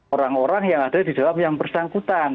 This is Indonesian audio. orang orang yang ada di dalam yang bersangkutan